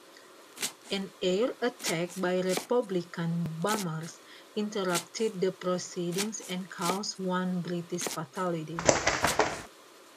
An air attack by Republican bombers interrupted the proceedings and caused one British fatality.